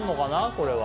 これは。